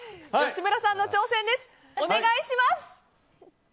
吉村さんの挑戦ですお願いします。